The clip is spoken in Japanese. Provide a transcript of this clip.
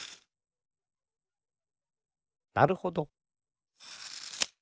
なるほど。